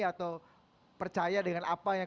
atau percaya dengan apa yang